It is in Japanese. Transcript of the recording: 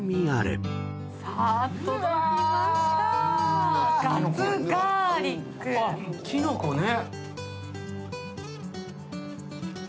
あっキノコね。